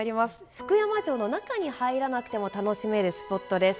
福山城の中に入らなくても楽しめるスポットです。